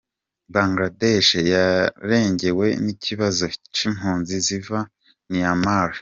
Bangladesh yarengewe n'ikibazo c'impunzi ziva Myanmar.